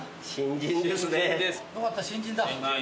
よかった新人だ。